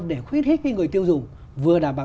để khuyến khích người tiêu dùng vừa đảm bảo